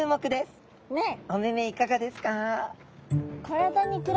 お目々いかがですか？